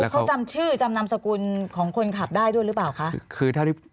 เขาจำชื่อจำนำสกุลของคนขับได้ด้วยหรือเปล่าคะ